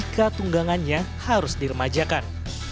ketunggangannya harus diremajakan